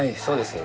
そうですね。